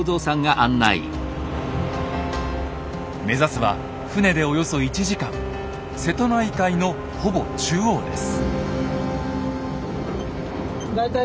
目指すは船でおよそ１時間瀬戸内海のほぼ中央です。